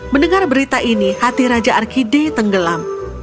mendengar berita ini hati raja arkide tenggelam